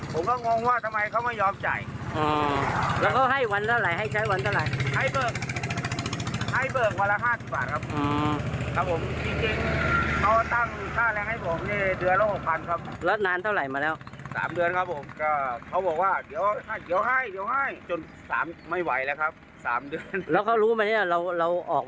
ผมออกมาผมขอร้อยหนึ่งก็ยังไม่ให้เลยครับ